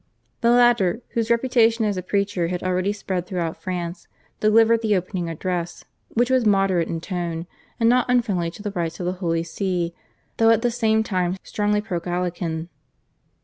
The latter, whose reputation as a preacher had already spread throughout France, delivered the opening address, which was moderate in tone, and not unfriendly to the rights of the Holy See though at the same time strongly pro Gallican.